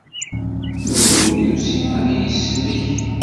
Yiwen ur d-yusi ad y-id-isellek.